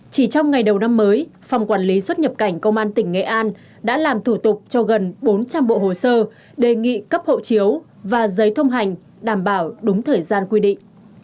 chỉ trong ngày đầu năm mới phòng quản lý xuất nhập cảnh công an tỉnh nghệ an đã làm thủ tục cho gần bốn trăm linh bộ hồ sơ đề nghị cấp hộ chiếu và giấy thông hành đảm bảo đúng thời gian quy định